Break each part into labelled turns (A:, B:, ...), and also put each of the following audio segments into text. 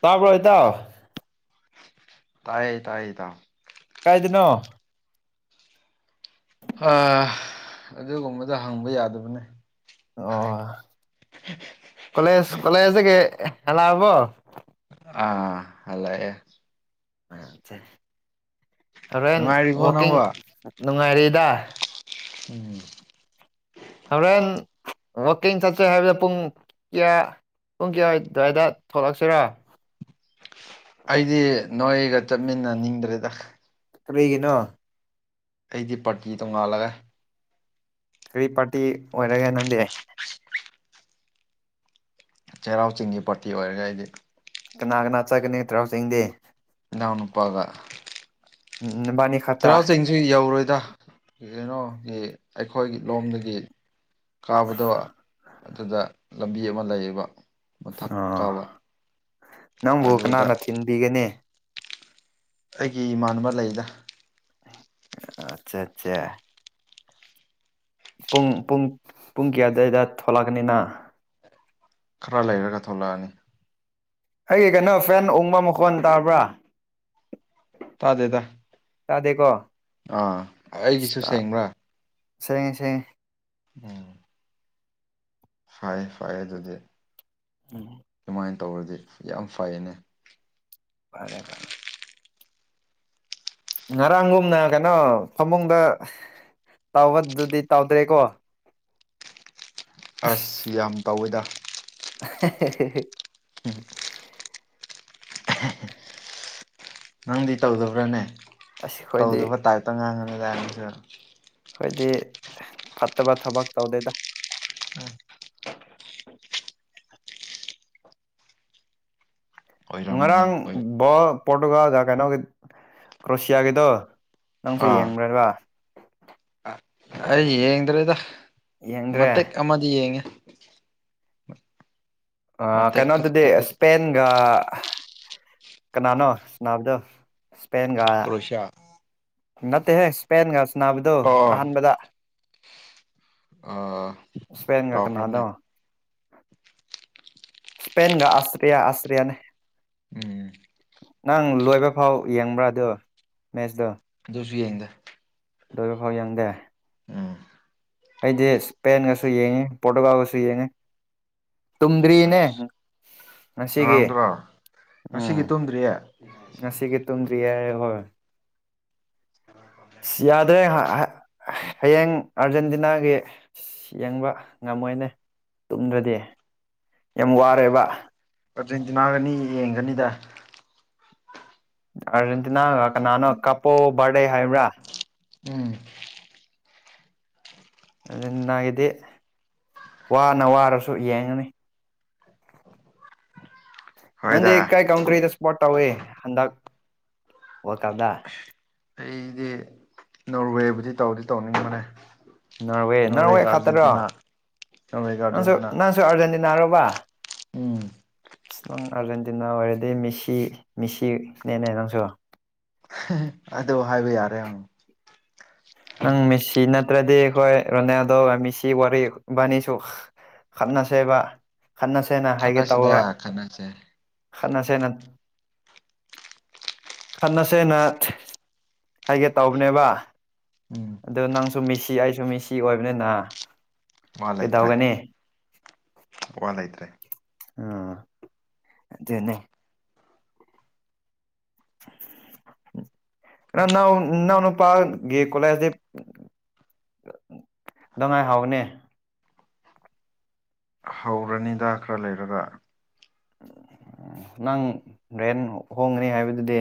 A: ꯇꯥꯕ꯭ꯔꯣ ꯏꯇꯥꯎ
B: ꯇꯥꯏꯌꯦ ꯇꯥꯏꯌꯦ ꯏꯇꯥꯎ
A: ꯀꯥꯏꯗꯅꯣ
B: ꯑ ꯑꯗꯨꯒꯨꯝꯕꯗꯣ ꯍꯪꯕ ꯌꯥꯗꯕꯅꯦ
A: ꯑꯣ
B: [unintelligible]
A: ꯀꯣꯂꯦꯖ ꯀꯣꯂꯦꯖꯁ ꯇꯥꯒꯤ ꯍꯜꯂꯛꯑꯕꯣ
B: ꯑꯥ ꯍꯜꯂꯛꯑꯦ
A: ꯍꯣꯔꯦꯟ
B: ꯅꯨꯡꯉꯥꯏꯔꯤꯕꯣ
A: ꯋꯥꯛꯀꯤꯡ
B: ꯅꯪꯕꯣ
A: ꯅꯨꯡꯉꯥꯏꯔꯤꯗ
B: [unintelligible]
A: ꯍꯣꯔꯦꯟ ꯋꯥꯋꯀꯤꯡ ꯆꯠꯁꯦ ꯍꯥꯏꯕꯗꯨ ꯄꯨꯡ ꯀꯌꯥ ꯄꯨꯡ ꯀꯌꯥꯋꯥꯏ ꯑꯗꯨꯗꯥꯏꯗ ꯊꯣꯛꯂꯛꯁꯤꯔꯣ
B: ꯑꯩꯗꯤ ꯅꯣꯏꯒ ꯆꯠꯃꯤꯟꯅꯅꯤꯡꯗ꯭ꯔꯦꯗ
A: ꯀꯔꯤꯒꯤꯅꯣ
B: ꯑꯩꯗꯤ ꯄꯥꯔꯇꯤ ꯇꯣꯉꯥꯜꯂꯛꯑꯦ
A: ꯀꯔꯤ ꯄꯥꯔꯇꯤ ꯑꯣꯏꯔꯒꯦ ꯅꯪꯗꯤ
B: ꯆꯩꯔꯥꯎ ꯆꯤꯡꯒꯤ ꯄꯥꯔꯇꯤ ꯑꯣꯏꯔꯒ ꯑꯩꯗꯤ
A: ꯀꯅꯥ ꯀꯅꯥ ꯆꯠꯀꯅꯤ [unintelligible]
B: ꯏꯅꯧ ꯅꯨꯄꯥꯒꯥ
A: [unintelligible]
B: ꯆꯩꯔꯥꯎ ꯆꯤꯡꯁꯨ ꯌꯧꯔꯣꯏꯗ ꯀꯩꯅꯣꯒꯤ ꯑꯩꯈꯣꯏꯒꯤ ꯂꯣꯝꯗꯒꯤ ꯀꯥꯕꯗꯣ ꯑꯗꯨꯗ ꯂꯝꯕꯤ ꯑꯃ ꯂꯩꯌꯦꯕ ꯃꯊꯛ
A: ꯑꯥ
B: ꯀꯥꯕ
A: ꯅꯪꯕꯨ
B: ꯑꯗꯨꯗ
A: ꯀꯅꯥꯅ ꯊꯤꯟꯕꯤꯒꯅꯤ
B: ꯑꯩꯒꯤ ꯏꯃꯥꯟꯅꯕ ꯂꯩꯗ
A: ꯑꯆꯥ ꯑꯆꯥ ꯄꯨꯡ ꯄꯨꯡ ꯄꯨꯡ ꯀꯌꯥꯗꯋꯥꯏꯗ ꯊꯣꯛꯂꯛꯀꯅꯤꯅ
B: ꯈꯔ ꯂꯩꯔꯒ ꯊꯣꯛꯂꯛꯑꯅꯤ
A: ꯑꯩꯒꯤ ꯀꯩꯅꯣ ꯐꯦꯟ ꯎꯡꯕ ꯃꯈꯣꯟ ꯇꯥꯕ꯭ꯔꯥ
B: ꯇꯥꯗꯦꯗ
A: ꯇꯥꯗꯦꯀꯣ
B: ꯑꯥ ꯑꯩꯒꯤꯁꯨ ꯁꯦꯡꯕ꯭ꯔꯥ
A: ꯁꯦꯉꯦ ꯁꯦꯉꯦ
B: ꯎꯝ ꯐꯔꯦ ꯐꯔꯦ ꯑꯗꯨꯗꯤ
A: ꯎꯝ
B: ꯁꯨꯃꯥꯏꯟ ꯇꯧꯔꯗꯤ ꯌꯥꯝ ꯐꯥꯢꯌꯦꯅꯦ
A: ꯐꯔꯦ ꯐꯔꯦ ꯉꯔꯥꯡꯒꯨꯝꯅ ꯀꯩꯅꯣ ꯐꯃꯨꯡꯗ ꯇꯥꯎꯕꯗꯨꯗꯤ ꯇꯥꯎꯗ꯭ꯔꯦꯀꯣ
B: ꯑꯁ ꯌꯥꯝ ꯇꯧꯋꯦꯗ
A: [unintelligible]
B: [unintelligible] ꯅꯪꯗꯤ ꯇꯧꯗꯕ꯭ꯔꯅꯦ
A: ꯑꯁ ꯑꯩꯈꯣꯏꯗꯤ
B: ꯇꯧꯗꯕ ꯇꯥꯏꯞꯇ ꯉꯥꯡꯉꯒ ꯗꯥꯢꯅꯁꯨ
A: ꯑꯈꯣꯏꯗꯤ ꯐꯠꯇꯕ ꯊꯕꯛ ꯇꯧꯗꯦꯗ
B: ꯎꯝ ꯑꯣꯏꯔꯝꯒꯅꯤ
A: ꯉꯔꯥꯡ
B: ꯑꯣꯏ
A: ꯕꯣꯜ ꯄꯣꯔꯇꯨꯒꯥꯜꯗ ꯀꯩꯅꯣꯒꯤ ꯀ꯭ꯔꯣꯁꯤꯌꯥꯒꯤꯗꯣ ꯅꯪꯁꯨ ꯌꯦꯡꯔꯦꯔꯥ
B: ꯑ ꯑꯩ ꯌꯦꯡꯗ꯭ꯔꯦꯗ
A: ꯌꯦꯡꯗ꯭ꯔꯦ
B: ꯃꯇꯦꯛ ꯑꯃꯗꯤ ꯌꯦꯡꯉꯦ [unintelligible]
A: ꯑ
B: ꯃꯇꯦꯛ ꯈꯖꯤꯛ
A: ꯀꯩꯅꯣꯗꯗꯤ
B: ꯈꯛꯇꯗꯤ
A: ꯁ꯭ꯄꯦꯟꯒ ꯀꯅꯥꯅꯣ ꯁ꯭ꯅꯥꯕꯗꯣ ꯁ꯭ꯄꯦꯟꯒ
B: ꯀ꯭ꯔꯣꯁꯤꯌꯥ
A: ꯅꯠꯇꯦꯍꯦ ꯁ꯭ꯄꯦꯟꯒ ꯁ꯭ꯅꯥꯕꯗꯣ
B: ꯑꯣ
A: ꯑꯍꯥꯟꯕꯗ
B: ꯑꯥ
A: ꯁ꯭ꯄꯦꯟꯒ
B: ꯀꯥꯎꯈ꯭ꯔꯦꯅꯦ
A: ꯀꯅꯥꯗꯥ ꯁ꯭ꯄꯦꯟꯒ ꯑꯥꯁꯇ꯭ꯔꯤꯌꯥ ꯑꯁꯇ꯭ꯔꯤꯌꯥꯅꯦ
B: ꯎꯝ
A: ꯅꯪ ꯂꯣꯏꯕ ꯐꯥꯎ ꯌꯦꯡꯕ꯭ꯔꯥꯗꯣ ꯃꯦꯁꯗꯣ
B: ꯑꯗꯨꯁꯨ ꯌꯦꯡꯗꯦ
A: ꯂꯣꯏꯕ ꯐꯥꯎ ꯌꯦꯡꯗꯦ
B: ꯎꯝ
A: ꯑꯩꯗꯤ ꯁ꯭ꯄꯦꯟꯒꯁꯨ ꯌꯦꯡꯉꯦ ꯄꯣꯇꯨꯒꯥꯜꯁꯨ ꯌꯦꯡꯉꯦ ꯇꯨꯝꯗ꯭ꯔꯤꯅꯦ ꯉꯁꯤꯒꯤ
B: ꯉꯔꯥꯡꯗꯣꯔꯥ
A: ꯎꯝ
B: ꯉꯁꯤꯒꯤ ꯇꯨꯝꯗ꯭ꯔꯤꯌꯦ
A: ꯉꯁꯤꯒꯤ ꯇꯨꯝꯗ꯭ꯔꯤ ꯍꯥꯏꯌꯦꯕ [unintelligible] ꯍꯥꯗ꯭ꯔꯦ ꯍꯥ ꯍꯥ ꯍꯌꯦꯡ ꯑꯥꯔꯖꯦꯟꯇꯤꯅꯥꯒꯤ [unintelligible] ꯌꯦꯡꯕ ꯉꯝꯃꯣꯏꯅꯦ ꯇꯨꯝꯗ꯭ꯔꯗꯤ ꯌꯥꯝ ꯋꯥꯔꯦꯕ
B: ꯑꯥꯔꯖꯦꯟꯇꯤꯅꯥꯒꯅꯤ ꯌꯦꯡꯒꯅꯤꯗ
A: ꯑꯥꯔꯖꯦꯟꯇꯤꯅꯥꯒ ꯀꯅꯥꯅꯣ ꯀꯥꯞꯄꯣ ꯕꯥꯔꯗꯦ ꯍꯥꯏꯕ꯭ꯔꯥ
B: ꯎꯝ
A: ꯑꯥꯔꯖꯦꯟꯇꯤꯅꯥꯒꯤꯗꯤ ꯋꯥꯅ ꯋꯥꯔꯁꯨ ꯌꯦꯡꯉꯅꯤ [unintelligible] ꯅꯪꯗ
B: ꯍꯣꯏꯗ
A: ꯀꯩ ꯀꯟꯇ꯭ꯔꯤꯗ ꯁ꯭ꯄꯣꯔꯠ ꯇꯧꯋꯦ ꯍꯟꯗꯛ ꯋꯥꯔꯜ ꯀꯞꯗꯥ
B: ꯑꯩꯗꯤ ꯅꯣꯔꯋꯦꯕꯨꯗꯤ ꯇꯧꯗꯤ ꯇꯧꯅꯤꯡꯕꯅꯦ
A: ꯅꯣꯔꯋꯦ ꯅꯣꯔꯋꯦ
B: ꯅꯣꯔꯋꯦꯒ
A: ꯈꯇꯔꯣ
B: ꯑꯥꯔꯖꯦꯟꯇꯤꯅꯥ ꯅꯣꯔꯋꯦꯒ
A: ꯅꯪꯁꯨ
B: ꯑꯥꯔꯖꯦꯟꯇꯤꯅꯥ
A: ꯅꯪꯁꯨ ꯑꯥꯔꯖꯦꯟꯇꯤꯅꯥꯔꯣꯕꯥ
B: ꯎꯝ
A: ꯑꯁ ꯅꯪ ꯑꯥꯔꯖꯦꯟꯇꯤꯅꯥ ꯑꯣꯏꯔꯗꯤ ꯃꯦꯁꯤ ꯃꯦꯁꯤꯅꯦꯅꯦ ꯅꯪꯁꯨ
B: [unintelligible] ꯑꯗꯨ ꯍꯥꯏꯕ ꯌꯥꯔꯦ ꯍꯪꯉꯣ
A: ꯅꯪ ꯃꯦꯁꯤ ꯅꯠꯇ꯭ꯔꯗꯤ ꯑꯈꯣꯏ ꯔꯣꯅꯥꯜꯗꯣꯒ ꯃꯦꯁꯤ ꯋꯥꯔꯤ ꯢꯕꯥꯟꯅꯤꯁꯨ ꯈꯠꯅꯁꯦꯕ ꯈꯠꯅꯁꯦꯅ ꯍꯥꯏꯒꯦ
B: ꯈꯠꯅꯁꯤꯗ
A: ꯇꯧꯕ
B: ꯈꯠꯅꯁꯦ
A: ꯈꯠꯅꯁꯦꯅ ꯈꯠꯅꯁꯦꯅ ꯍꯥꯏꯒꯦ ꯇꯧꯕꯅꯦꯕ
B: ꯎꯝ
A: ꯑꯗꯣ ꯅꯪꯁꯨ ꯃꯦꯁꯤ ꯑꯩꯁꯨ ꯃꯦꯁꯤ ꯑꯣꯏꯕꯅꯤꯅ
B: ꯃꯥ ꯂꯩꯇ꯭ꯔꯦ
A: ꯀꯩꯗꯧꯒꯅꯤ
B: ꯋꯥ ꯂꯩꯇ꯭ꯔꯦ
A: ꯎꯝ ꯑꯗꯨꯅꯦ [inaudible] ꯅꯅꯥꯎ ꯅꯅꯥꯎꯅꯨꯄꯥꯒꯤ ꯀꯣꯂꯦꯖꯇꯤ [unintelligible]
B: ꯍꯧꯔꯅꯤꯗ ꯈꯔ ꯂꯩꯔꯒ
A: ꯅꯪ ꯔꯦꯟ ꯍꯣꯡꯒꯅꯤ ꯍꯥꯏꯕꯗꯨꯗꯤ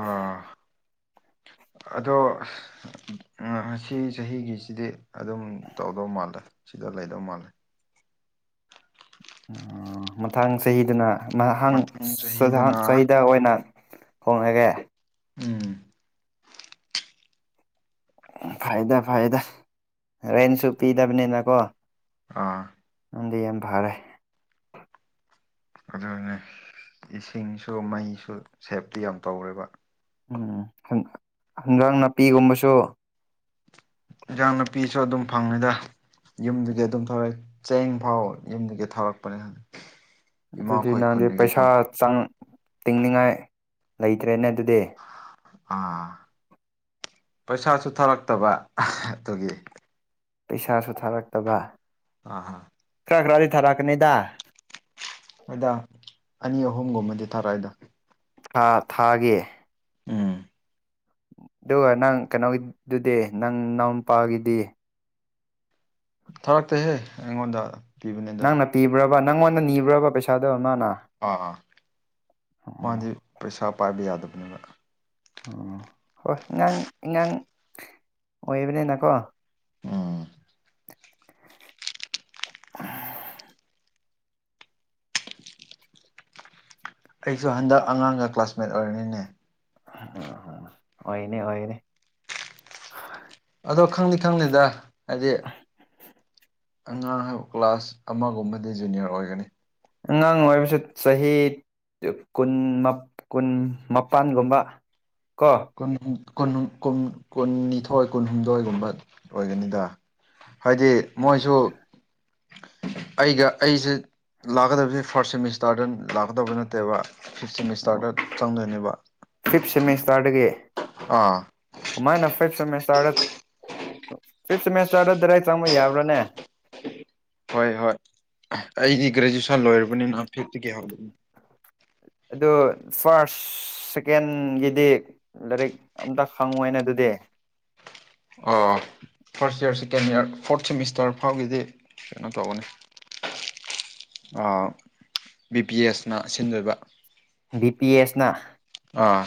B: ꯑꯥ ꯑꯗꯣ ꯉꯁꯤ ꯆꯍꯤꯒꯤꯁꯤꯗꯤ ꯑꯗꯨꯝ ꯇꯧꯗꯧ ꯃꯥꯜꯂꯦ ꯁꯤꯗ ꯂꯩꯗꯧ ꯃꯥꯜꯂꯦ
A: ꯎꯝ ꯃꯊꯪ ꯆꯍꯤꯗꯅ ꯃꯍꯪ
B: ꯃꯊꯪ ꯆꯍꯤꯗꯅ
A: [unintelligible] ꯆꯍꯤꯗ ꯑꯣꯏꯅ [unintelligible]
B: ꯎꯝ
A: ꯐꯩꯗ ꯐꯩꯗ ꯔꯦꯟꯁꯨ ꯄꯤꯗꯕꯅꯤꯅꯀꯣ
B: ꯑꯥ
A: ꯅꯪꯗꯤ ꯌꯥꯝ ꯐꯔꯦ
B: ꯑꯗꯨꯅꯦ ꯏꯁꯤꯡꯁꯨ ꯃꯩꯁꯨ ꯁꯦꯞꯇꯤ ꯌꯥꯝ ꯇꯧꯔꯦꯕ
A: ꯎꯝ ꯍꯪ ꯍꯪꯒꯥꯥꯡ ꯅꯥꯄꯤꯒꯨꯝꯕꯁꯨ
B: ꯏꯟꯖꯥꯡ ꯅꯥꯄꯤꯁꯨ ꯑꯗꯨꯝ ꯐꯪꯉꯤꯗ ꯌꯨꯝꯗꯨꯒꯤ ꯑꯗꯨꯝ ꯊꯧꯔꯛꯏ ꯆꯦꯡ ꯐꯥꯎ ꯌꯨꯝꯗꯒꯤ ꯊꯥꯔꯛꯄꯅꯦ
A: ꯑꯗꯨꯗꯤ ꯅꯪꯗꯤ ꯄꯩꯁꯥ ꯆꯪ- ꯇꯤꯡꯅꯤꯡꯉꯥꯏ ꯂꯩꯇ꯭ꯔꯦꯅꯦ ꯑꯗꯨꯗꯤ
B: ꯑꯥ ꯄꯩꯁꯥꯁꯨ ꯊꯥꯔꯛꯇꯕ ꯑꯗꯨꯒꯤ
A: ꯄꯩꯁꯥꯁꯨ ꯊꯥꯔꯛꯇꯕ
B: ꯑꯥꯍꯥ
A: ꯈꯔ ꯈꯔꯗꯤ ꯊꯥꯔꯛꯀꯅꯤꯗ
B: ꯍꯣꯏꯗ ꯑꯅꯤ ꯑꯍꯨꯝꯒꯨꯝꯕꯗꯤ ꯊꯥꯔꯛꯏꯗ
A: ꯊꯥ ꯊꯥꯒꯤ
B: ꯎꯝ
A: ꯑꯗꯨꯒ ꯅꯪ ꯀꯩꯅꯣꯒꯤꯗꯨꯗꯤ ꯅꯪ ꯅꯅꯥꯎ ꯅꯨꯄꯥꯒꯤꯗꯤ
B: ꯊꯥꯔꯛꯛꯇꯦꯍꯦ ꯑꯩꯉꯣꯟꯗ ꯄꯤꯕꯅꯦ ꯑꯗꯣ
A: ꯅꯪꯅ ꯄꯤꯕ꯭ꯔꯕ ꯅꯪꯉꯣꯟꯗ ꯅꯤꯕ꯭ꯔꯕ ꯄꯩꯁꯥꯗꯣ ꯃꯥꯅ
B: ꯑ ꯑ
A: ꯑꯣ
B: ꯃꯥꯗꯤ ꯄꯩꯁꯥ ꯄꯥꯏꯕ ꯌꯥꯗꯕꯅꯦꯕ
A: ꯑꯣ ꯍꯣꯏ ꯅꯪ ꯑꯉꯥꯡ ꯑꯣꯏꯕꯅꯤꯅꯀꯣ
B: ꯎꯝ
A: [inaudible]
B: ꯑꯩꯁꯨ ꯍꯟꯗꯛ ꯑꯉꯥꯡꯒ ꯀ꯭ꯂꯥꯁꯃꯦꯠ ꯑꯣꯏꯔꯅꯤꯅꯦ
A: ꯑꯣꯏꯅꯦ ꯑꯣꯏꯅꯦ
B: ꯑꯗꯣ ꯈꯪꯗꯤ ꯈꯪꯅꯤꯗ ꯍꯥꯏꯗꯤ ꯑꯉꯥꯡ ꯍꯥꯏꯕ ꯀ꯭ꯂꯥꯁ ꯑꯃꯒꯨꯝꯕꯗꯤ ꯖꯨꯅꯤꯌꯔ ꯑꯣꯏꯒꯅꯤ
A: ꯑꯉꯥꯡ ꯑꯣꯏꯔꯁꯨ ꯆꯍꯤ ꯀꯨꯟ ꯃꯞ꫰ꯀꯨꯟ ꯃꯄꯟꯒꯨꯝꯕ ꯀꯣ
B: ꯀꯨꯟ ꯀꯨꯟ ꯀꯨꯟꯀꯨꯟꯅꯤꯊꯣꯏ ꯀꯨꯟꯍꯨꯝꯗꯣꯏꯒꯨꯝꯕ ꯑꯣꯏꯒꯅꯤꯗ ꯍꯥꯏꯗꯤ ꯃꯣꯏꯁꯨ ꯑꯩꯒ ꯑꯩꯁꯦ ꯂꯥꯛꯀꯗꯕꯁꯦ ꯐꯥꯔꯁꯠ ꯁꯦꯃꯤꯁꯇꯔꯗ ꯂꯥꯛꯀꯗꯕ ꯅꯠꯇꯦꯕ ꯐꯤꯞ ꯁꯦꯃꯤꯁꯇꯥꯔꯗ ꯆꯪꯗꯣꯏꯅꯦꯕ
A: ꯐꯤꯞ ꯁꯦꯃꯤꯁꯇꯥꯔꯗꯒꯤ
B: ꯑꯥ
A: ꯀꯃꯥꯏꯅ ꯐꯤꯞ ꯁꯦꯃꯦꯁꯇꯔꯗ ꯐꯤꯞ ꯁꯦꯃꯦꯁꯇꯥꯔꯗ ꯗꯥꯏꯔꯦꯛ ꯆꯪꯕ ꯌꯥꯕ꯭ꯔꯥꯅꯦ
B: ꯍꯣꯏ ꯍꯣꯏ ꯑꯩꯗꯤ ꯒ꯭ꯔꯦꯖꯨꯌꯦꯁꯟ ꯂꯣꯏꯔꯕꯅꯤꯅ ꯐꯤꯐꯇꯒꯦ [unintelligible]
A: ꯑꯗꯣ ꯐꯥꯔꯁ ꯁꯦꯀꯦꯟꯒꯤꯗꯤ ꯂꯥꯏꯔꯤꯛ ꯑꯝꯇ ꯐꯪꯉꯣꯏꯅ ꯑꯗꯨꯗꯤ
B: ꯑꯣ first year second year fourth semester ꯐꯥꯎꯒꯤꯗꯤ ꯀꯩꯅꯣ ꯇꯧꯒꯅꯤ ꯑ ꯕꯤ ꯄꯤ ꯑꯦꯁꯅ ꯁꯤꯟꯗꯣꯏꯕ
A: ꯕꯤ ꯄꯤ ꯑꯦꯁꯅ
B: ꯑꯥ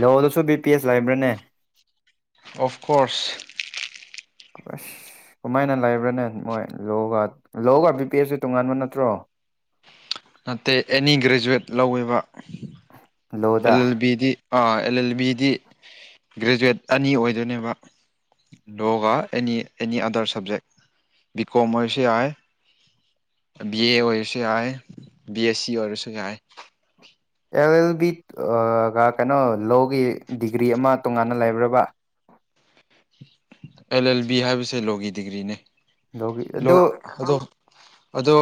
A: ꯂꯣꯜꯁꯨ ꯕꯤ ꯄꯤ ꯑꯦꯁ ꯂꯩꯕ꯭ꯔꯅꯦ
B: ꯑꯣꯐ ꯀꯣꯔꯁ
A: ꯑꯁ ꯀꯃꯥꯏꯅ ꯂꯩꯕ꯭ꯔꯥꯅꯦ ꯃꯣꯏ ꯂꯣꯒ, ꯂꯣꯒ ꯕꯤ ꯄꯤ ꯑꯦꯁꯁꯨ ꯇꯣꯉꯥꯟꯕ ꯅꯠꯇ꯭ꯔꯣ
B: ꯅꯠꯇꯦ ꯑꯦꯅꯤ ꯒ꯭ꯔꯦꯖꯨꯋꯦꯠ ꯂꯧꯑꯦꯕ
A: ꯂꯣꯗ
B: ꯑꯦꯜ ꯑꯦꯜ ꯕꯤꯗꯤ ꯑꯥ ꯑꯦꯜ ꯑꯦꯜ ꯕꯤꯗꯤ ꯒ꯭ꯔꯦꯖꯨꯋꯦꯠ ꯑꯅꯤ ꯑꯣꯏꯗꯣꯏꯅꯦꯕ ꯗꯣꯒ ꯑꯦꯅꯤ ꯑꯦꯅꯤ ꯑꯗꯔ ꯁꯕꯖꯦꯛ ꯕꯤ ꯀꯣꯝ ꯑꯣꯏꯔꯁꯨ ꯌꯥꯏ ꯕꯤ ꯑꯦ ꯑꯣꯏꯔꯁꯨ ꯌꯥꯏ ꯕꯤ ꯑꯦꯁ ꯁꯤ ꯑꯣꯏꯔꯁꯨ ꯌꯥꯏ
A: ꯑꯦꯜ ꯑꯦꯜ ꯕꯤ ꯑ ꯔꯥ ꯀꯩꯅꯣ ꯂꯣꯒꯤ ꯗꯤꯒ꯭ꯔꯤ ꯑꯃ ꯇꯣꯉꯥꯟꯅ ꯂꯩꯕ꯭ꯔꯕ
B: ꯑꯦꯜ ꯑꯦꯜ ꯕꯤ ꯍꯥꯏꯕꯁꯦ ꯂꯣꯒꯤ ꯗꯤꯒ꯭ꯔꯤꯅꯦ
A: ꯂꯣꯒꯤ ꯑꯗꯨ
B: ꯂꯣ ꯑꯗꯣ ꯑꯗꯣ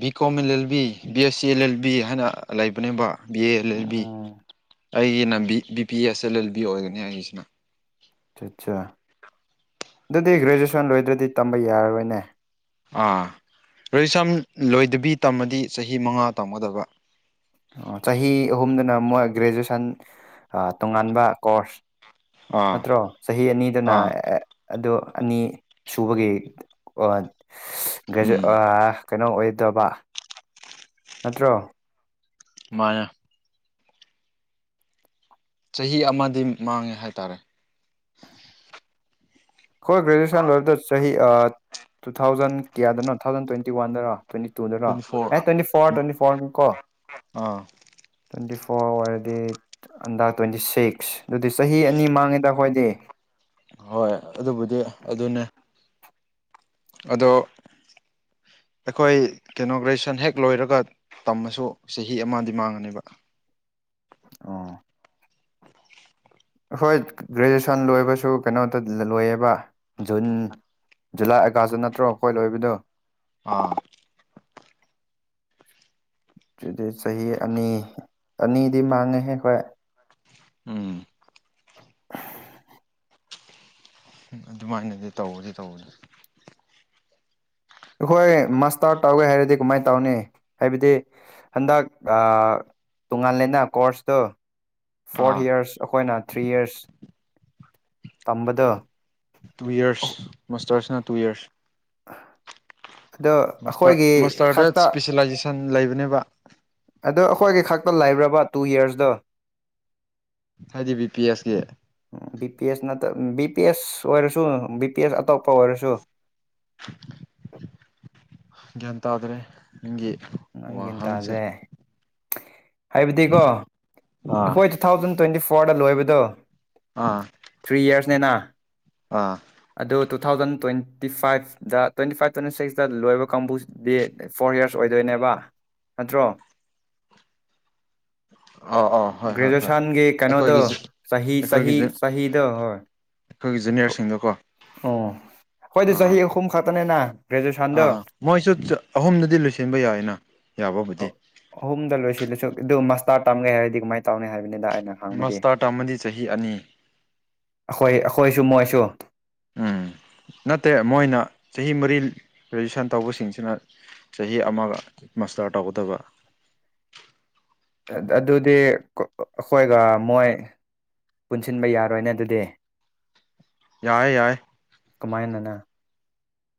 B: ꯕꯤ ꯀꯣꯝ L L B B S C L L B ꯍꯥꯏꯅ ꯂꯩꯕꯅꯦꯕ B A L L B
A: ꯎꯝ
B: ꯑꯩꯒꯤꯅ B B P S L L B ꯑꯣꯏꯒꯅꯤ ꯑꯩꯒꯤꯁꯤꯅ
A: ꯑ ꯑꯠꯆꯥ ꯑꯗꯨꯗꯤ ꯒ꯭ꯔꯦꯖꯨꯋꯦꯁꯟ ꯂꯣꯏꯗ꯭ꯔꯗꯤ ꯇꯝꯕ ꯌꯥꯔꯔꯣꯏꯅꯦ
B: ꯑꯥ ꯒ꯭ꯔꯦꯖꯨꯋꯦꯁꯟ ꯂꯣꯏꯗꯕꯤ ꯇꯝꯃꯗꯤ ꯆꯍꯤ ꯃꯉꯥ ꯇꯝꯒꯗꯕ
A: ꯑ ꯆꯍꯤ ꯑꯍꯨꯝꯗꯅ ꯃꯣꯏ ꯒ꯭ꯔꯦꯖꯨꯌꯦꯁꯟ ꯑ ꯇꯣꯉꯥꯟꯕ ꯀꯣꯔꯁ
B: ꯑꯥ
A: ꯅꯠꯇ꯭ꯔꯣ ꯆꯍꯤ ꯑꯅꯤꯗꯅ
B: ꯑꯥ
A: ꯑꯦ ꯑꯗꯣ ꯑꯅꯤ ꯁꯨꯕꯒꯤ ꯑꯣ ꯒ꯭ꯔꯦꯖꯨꯋꯦꯠ
B: ꯎꯝ
A: ꯑꯥ ꯀꯩꯅꯣ ꯑꯣꯏꯗꯕ ꯅꯠꯇ꯭ꯔꯣ
B: ꯃꯥꯟꯅꯦ ꯆꯍꯤ ꯑꯃꯗꯤ ꯃꯥꯡꯉꯦ ꯍꯥꯏꯇꯥꯔꯦ
A: ꯑꯩꯈꯣꯏ ꯒ꯭ꯔꯦꯖꯨꯑꯦꯁꯟ ꯂꯣꯏꯕꯗꯣ ꯆꯍꯤ ꯑꯥ ꯇꯨ ꯊꯥꯎꯖꯟ ꯀꯌꯥꯗꯅꯣ ꯊꯥꯎꯖꯟ ꯇ꯭ꯋꯦꯟꯇꯤ ꯋꯥꯟꯗꯔ ꯇ꯭ꯋꯦꯟꯇꯤ ꯇꯨꯗꯔꯣ
B: ꯇ꯭ꯋꯦꯟꯇꯤ
A: ꯑꯦ
B: four
A: twenty four twenty four ꯅꯤ ꯀꯣ
B: ꯑꯥ
A: ꯇ꯭ꯋꯦꯟꯇꯤ ꯐꯣꯔ ꯑꯣꯏꯔꯗꯤ ꯑꯟꯗ ꯇ꯭ꯋꯦꯟꯇꯤ ꯁꯤꯛꯁ ꯑꯗꯨꯗꯤ ꯆꯍꯤ ꯑꯅꯤ ꯃꯥꯡꯉꯦꯗ ꯑꯩꯈꯣꯏꯗꯤ
B: ꯍꯣꯏ ꯑꯗꯨꯕꯨꯗꯤ ꯑꯗꯨꯅꯦ ꯑꯗꯣ ꯑꯩꯈꯣꯏ ꯀꯩꯅꯣ ꯒ꯭ꯔꯦꯖꯨꯋꯦꯁꯟ ꯍꯦꯛ ꯂꯣꯏꯔꯒ ꯇꯝꯃꯁꯨ ꯆꯍꯤ ꯑꯃꯗꯤ ꯃꯥꯡꯉꯅꯦꯕ
A: ꯑꯣ ꯑꯈꯣꯏ ꯒ꯭ꯔꯦꯖꯨꯑꯦꯁꯟ ꯂꯣꯏꯕꯁꯨ ꯀꯩꯅꯣꯗ ꯂꯣꯏꯌꯦꯕ ꯖꯨꯟ ꯖꯨꯂꯥꯏ ꯑꯥꯒꯁꯠꯇ ꯅꯠꯇ꯭ꯔꯣ ꯑꯩꯈꯣꯏ ꯂꯣꯏꯕꯗꯣ
B: ꯑꯥ
A: ꯑꯗꯨꯗꯤ ꯆꯍꯤ ꯑꯅꯤ ꯑꯅꯤꯗꯤ ꯃꯥꯡꯉꯦꯍꯦ ꯍꯣꯏ
B: ꯎꯝ
A: [unintelligible]
B: ꯑꯗꯨꯃꯥꯏꯅꯗꯤ ꯇꯧꯕꯗꯤ ꯇꯧꯕꯅꯤ
A: ꯑꯩꯈꯣꯏ ꯃꯥꯁꯇꯔ ꯇꯧꯒꯦ ꯍꯥꯏꯔꯗꯤ ꯀꯃꯥꯏ ꯇꯧꯅꯤ ꯍꯥꯏꯕꯗꯤ ꯍꯟꯗꯛ ꯑ ꯇꯣꯉꯥꯜꯂꯦꯅ ꯀꯣꯔꯁꯇꯣ ꯐꯣꯔ
B: ꯑꯥ
A: ꯌꯤꯔꯁ ꯑꯩꯈꯣꯏꯅ ꯊ꯭ꯔꯤ ꯌꯔꯁ ꯇꯝꯕꯗꯣ
B: ꯇꯨ ꯌꯤꯔꯁ ꯃꯥꯁꯇꯔꯁꯤꯅ ꯇꯨ ꯌꯤꯔꯁ
A: ꯑꯗꯣ
B: ꯃꯥꯁꯇꯔ
A: ꯑꯈꯣꯏꯒꯤ
B: ꯃꯥꯁꯇꯔꯗ
A: ꯈꯛꯇ
B: [unintelligible] ꯂꯩꯕꯅꯦꯕ
A: ꯑꯗꯣ ꯑꯩꯈꯣꯏꯒꯤ ꯈꯛꯇ ꯂꯩꯕ꯭ꯔꯕ ꯇꯨ ꯌꯔꯁꯗꯣ
B: ꯍꯥꯏꯗꯤ ꯕꯤ ꯄꯤ ꯑꯦꯁꯒꯤ
A: ꯕꯤ ꯄꯤ ꯑꯦꯁ ꯅꯠꯇ ꯕꯤ ꯄꯤ ꯑꯦꯁ ꯑꯣꯏꯔꯁꯨ ꯕꯤ ꯄꯤ ꯑꯦꯁ ꯑꯇꯣꯞꯄ ꯑꯣꯏꯔꯁꯨ
B: [unintelligible] ꯒ꯭ꯌꯥꯟ ꯇꯥꯗ꯭ꯔꯦ ꯅꯪꯒꯤ
A: ꯅꯪ ꯒ꯭ꯌꯥꯟ
B: ꯋꯥꯍꯪꯁꯦ
A: ꯇꯥꯗꯦ ꯍꯥꯏꯕꯗꯤꯒꯣ
B: ꯑꯥ
A: ꯑꯩꯈꯣꯏ ꯇꯨ ꯊꯥꯎꯖꯟ ꯇ꯭ꯋꯦꯟꯇꯤ ꯐꯣꯔꯗ ꯂꯣꯏꯕꯗꯣ
B: ꯑꯥ
A: ꯊ꯭ꯔꯤ ꯌꯔꯁꯅꯦꯅꯥ
B: ꯑꯥ
A: ꯑꯗꯨ ꯇꯨ ꯊꯥꯎꯖꯟ ꯇ꯭ꯋꯦꯟꯇꯤ ꯐꯥꯏꯚꯇ ꯇ꯭ꯋꯦꯟꯇꯤ ꯐꯥꯏꯚ ꯇ꯭ꯋꯦꯟꯇꯤ ꯁꯤꯛꯁꯇ ꯂꯣꯏꯕ ꯀꯥꯡꯕꯨꯁꯤꯗꯤ ꯐꯣꯔ ꯌꯔꯁ ꯑꯣꯏꯗꯣꯏꯅꯦꯕ ꯅꯠꯇ꯭ꯔꯣ
B: ꯑꯥ ꯑꯥ ꯍꯣꯏ ꯍꯣꯏ ꯍꯣꯏ
A: ꯒ꯭ꯔꯦꯖꯨꯋꯦꯁꯟꯒꯤ ꯀꯩꯅꯣꯗꯣ
B: ꯑꯩꯈꯣꯏꯒꯤ
A: ꯆꯍꯤ ꯆꯍꯤ
B: ꯑꯩꯈꯣꯏꯒꯤ
A: ꯆꯍꯤꯗꯣ ꯍꯣꯏ
B: ꯑꯩꯈꯣꯏꯒꯤ ꯖꯨꯅꯤꯌꯔꯁꯤꯡꯗꯣꯀꯣ
A: ꯑꯣ ꯑꯈꯣꯏꯗꯤ
B: ꯑꯥ
A: ꯆꯍꯤ ꯑꯍꯨꯝ ꯈꯛꯇꯅꯦꯅ
B: ꯑꯥ ꯃꯣꯏꯁꯨ ꯆꯥ ꯑꯍꯨꯝꯗꯗꯤ ꯂꯣꯏꯁꯤꯟꯕ ꯌꯥꯏꯅ ꯌꯥꯕꯕꯨꯗꯤ
A: ꯑꯍꯨꯝꯗ ꯂꯣꯏꯁꯤꯜꯂꯁꯨ ꯑꯗꯨ ꯃꯁꯇꯥꯔ ꯇꯥꯝꯒꯦ ꯍꯥꯏꯔꯗꯤ ꯀꯃꯥꯏ ꯇꯧꯅꯤ ꯍꯥꯏꯕꯅꯤꯗ ꯑꯩꯅ [unintelligible]
B: ꯃꯥꯁꯇꯥꯔ ꯇꯝꯃꯗꯤ ꯆꯍꯤ ꯑꯅꯤ
A: ꯑꯩꯈꯣꯏ ꯑꯩꯈꯣꯏꯁꯨ ꯃꯣꯏꯁꯨ
B: ꯎꯝ ꯅꯠꯇꯦ ꯃꯣꯏꯅ ꯆꯍꯤ ꯃꯔꯤ ꯒ꯭ꯔꯦꯖꯨꯌꯦꯁꯟ ꯇꯧꯕꯁꯤꯡꯁꯤꯅ ꯆꯍꯤ ꯑꯃꯒ ꯃꯥꯁꯇꯔ ꯇꯧꯒꯗꯕ
A: ꯑꯗꯨꯗꯤ ꯑꯩꯈꯣꯏꯒ ꯃꯣꯏ ꯄꯨꯟꯁꯤꯟꯕ ꯌꯥꯔꯣꯏꯅꯦ ꯑꯗꯨꯗꯤ
B: ꯌꯥꯏ ꯌꯥꯏ
A: ꯀꯃꯥꯏꯅꯅ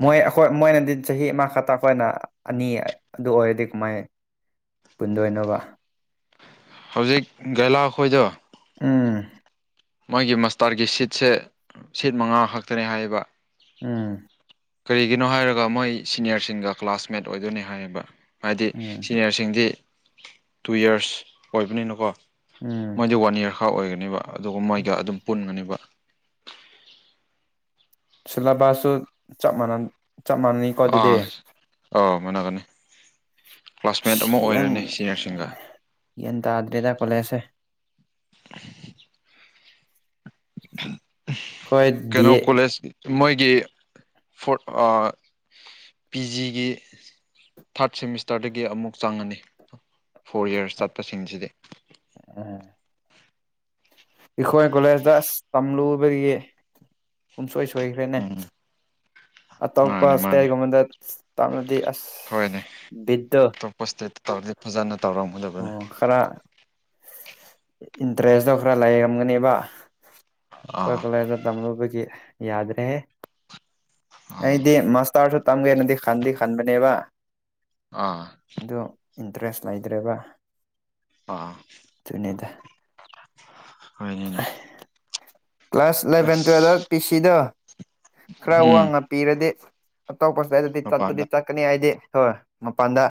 A: ꯃꯣꯏ ꯑꯩꯈꯣꯏ ꯃꯣꯏꯅꯗꯤ ꯆꯍꯤ ꯑꯃ ꯈꯇꯥ ꯑꯈꯣꯏꯅ ꯑꯅꯤ ꯑꯗꯨ ꯑꯣꯏꯔꯗꯤ ꯀꯃꯥꯏ ꯄꯨꯟꯗꯣꯏꯅꯣꯕ
B: ꯍꯧꯖꯤꯛ ꯒꯦꯂꯥꯈꯣꯏꯗꯣ
A: ꯎꯝ
B: ꯃꯣꯏꯒꯤ ꯃꯁꯇꯥꯔꯒꯤ ꯁꯤꯠꯁꯦ ꯁꯤꯠ ꯃꯉꯥ ꯈꯛꯇꯅꯦ ꯍꯥꯏꯌꯦꯕ
A: ꯎꯝ
B: ꯀꯔꯤꯒꯤꯅꯣ ꯍꯥꯏꯔꯒ ꯃꯣꯏ ꯁꯤꯅꯤꯌꯔꯁꯤꯡꯒ ꯀ꯭ꯂꯥꯁꯃꯦꯠ ꯑꯣꯏꯗꯣꯏꯅꯤ ꯍꯥꯏꯌꯦꯕ ꯍꯥꯏꯗꯤ
A: ꯎꯝ
B: ꯁꯤꯅꯤꯌꯔꯁꯤꯡꯗꯤ ꯇꯨ ꯌꯔꯁ ꯑꯣꯏꯕꯅꯤꯅꯀꯣ
A: ꯎꯝ
B: ꯃꯣꯏꯗꯤ ꯋꯥꯟ ꯌꯥꯔ ꯈꯔ ꯑꯣꯏꯒꯅꯦꯕ ꯑꯗꯨꯒ ꯃꯣꯏꯒ ꯑꯗꯨꯝ ꯄꯨꯟꯕꯅꯦꯕ
A: ꯁꯤꯂꯦꯕꯥꯁꯁꯨ ꯆꯞ ꯃꯅꯥ ꯆꯞ ꯃꯥꯟꯅꯅꯤ
B: ꯑꯥ ꯑꯧ ꯃꯟꯅꯒꯅꯤ ꯀ꯭ꯂꯥꯁꯃꯦꯠ ꯑꯃꯨꯛ ꯑꯣꯏꯔꯅꯤ ꯁꯤꯅꯤꯌꯔꯁꯤꯡꯒ
A: ꯒꯌꯥꯟꯇꯥꯗꯦꯗ ꯀꯣꯂꯦꯖꯁꯦ ꯍꯣꯏ ꯗꯤ
B: ꯀꯩꯅꯣ ꯀꯣꯂꯦꯖ ꯃꯣꯏꯒꯤ ꯐꯣꯔꯠ ꯑꯥ ꯄꯤꯖꯤꯒꯤ ꯊꯥꯔꯠ ꯁꯦꯃꯤꯁꯇꯔꯗꯒꯤ ꯑꯃꯨꯛ ꯆꯪꯉꯅꯤ ꯐꯣꯔ ꯌꯔꯁ ꯆꯠꯄꯁꯤꯡꯁꯤꯗꯤ
A: [unintelligible] ꯑꯩꯈꯣꯏ ꯒꯣꯂꯦꯖꯇ ꯑꯁ ꯇꯝꯂꯨꯕꯒꯤ ꯄꯨꯡꯁꯣꯏ ꯁꯣꯏꯈ꯭ꯔꯦꯅꯦ
B: ꯎꯝ
A: ꯑꯇꯣꯞꯄ
B: ꯃꯥꯅꯦ ꯃꯥꯅꯦ
A: ꯁ꯭ꯇꯦꯠꯒꯨꯝꯕꯗ ꯇꯝꯔꯗꯤ ꯑꯁ
B: ꯍꯣꯏꯅꯦ
A: ꯕꯤꯠꯇꯣ
B: ꯑꯇꯣꯞꯄ ꯁ꯭ꯇꯦꯠꯇ ꯇꯧꯔꯗꯤ ꯐꯖꯅ ꯇꯧꯔꯝ
A: ꯑꯣ ꯈꯔ ꯏꯟꯇꯔꯦꯁꯇꯣ ꯈꯔ ꯂꯩꯔꯝꯒꯅꯦꯕ ꯈꯣꯏ
B: ꯑꯥ
A: ꯀꯣꯂꯦꯖꯇ ꯇꯝꯂꯨꯕꯒꯤ ꯌꯥꯗꯔꯦ ꯍꯦ
B: ꯑꯥ
A: ꯑꯩꯗꯤ ꯃꯥꯁꯇꯔꯁꯨ ꯇꯝꯒꯦꯅꯗꯤ ꯈꯟꯗꯤ ꯈꯟꯕꯅꯦꯕ
B: ꯑꯥ
A: ꯑꯗꯨ ꯏꯟꯇꯔꯦꯁ ꯂꯩꯇ꯭ꯔꯦꯕ
B: ꯑꯥ
A: ꯑꯗꯨꯅꯤꯗ
B: ꯍꯣꯏꯅꯦꯅꯦ
A: ꯀ꯭ꯂꯥꯁ ꯏꯂꯚꯦꯟ ꯇꯨꯌꯦꯜꯗ ꯄꯤ ꯁꯤ ꯗꯣ ꯈꯔ
B: ꯎꯝ
A: ꯋꯥꯡꯅ ꯄꯤꯔꯗꯤ ꯑꯇꯣꯞꯄ ꯁ꯭ꯇꯦꯠꯇꯗꯤ
B: ꯃꯄꯥꯟꯗ
A: ꯆꯠꯄꯗꯤ ꯆꯠꯀꯅꯤ ꯑꯩꯗꯤ ꯍꯣꯏ ꯃꯄꯥꯟꯗ